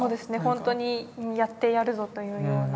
ほんとにやってやるぞというような。